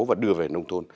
và đưa về nông thôn